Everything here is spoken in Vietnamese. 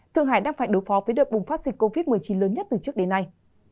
thượng hải đang phải đối phó với đợt bùng phát dịch covid một mươi chín lớn nhất từ trước đến nay